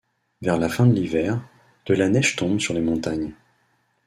Vers la fin de l'hiver, de la neige tombe sur les montagnes.